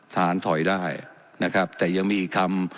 ถอยได้นะครับแต่ยังมีอีกคำ